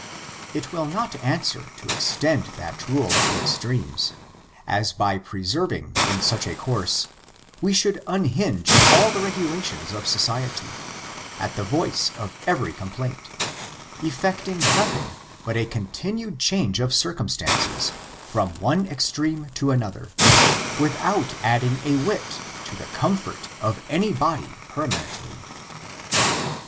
It »^i^i^>^><»<»^i^»<»#»^H»»#^»^ FORTUNES, OF THE NEORO RACE. 399 will not answer to extend that rule to extremes, as by persevering in such a course, we should uuhiuge ail the regulations of so9iet7, at the voice of every complaint, effecting nothing but a continued change of circumstances, from one extreme to another, with out adding a whit to vthe comfort of any body per manently.